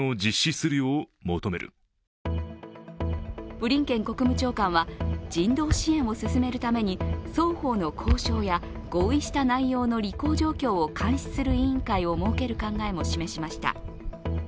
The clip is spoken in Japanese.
ブリンケン国務長官は人道支援を進めるために双方の交渉や合意した内容の履行状況を監視する委員会を設ける考えも示しました。